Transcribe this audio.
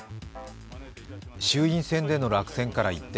衆院選での落選から一転